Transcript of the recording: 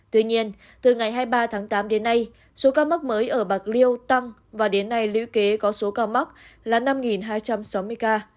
tuy nhiên từ ngày hai mươi ba tháng tám đến nay số ca mắc mới ở bạc liêu tăng và đến nay lũy kế có số ca mắc là năm hai trăm sáu mươi ca